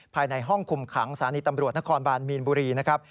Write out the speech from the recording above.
ภายในห้องคุมขังสถานีตำรวจนครบานมีนบุรีนะครับ